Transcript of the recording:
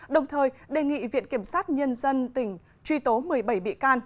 đồng thời đề nghị viện kiểm sát nhân dân tỉnh truy tố một mươi bảy bị can